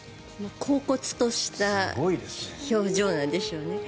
こうこつとした表情なんでしょうね。